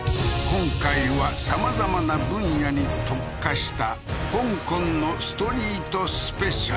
今回は様々な分野に特化した香港のストリートＳＰ